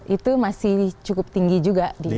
itu masih cukup tinggi juga di indonesia